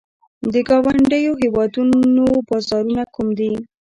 د ګاونډیو هیوادونو بازارونه کوم دي؟